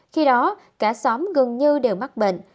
khi đó cả xóm gần như đều mắc bệnh